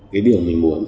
cái điều mình muốn